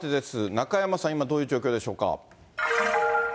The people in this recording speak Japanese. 中山さん、今どういう状況でしょうか。